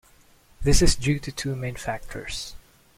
This is due to two main factors.